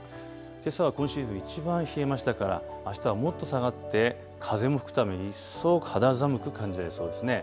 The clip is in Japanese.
けさは今シーズンいちばん冷えましたからあしたはもっと下がって風も吹くために一層肌寒く感じられそうですね。